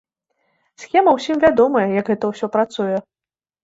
Схема ўсім вядомая, як гэта ўсё працуе.